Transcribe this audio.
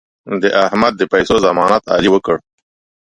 د احمد د پیسو ضمانت علي وکړ.